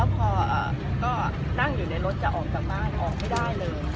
พอก็นั่งอยู่ในรถจะออกจากบ้านออกไม่ได้เลย